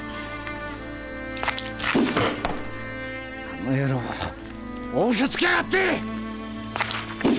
あの野郎大嘘つきやがって！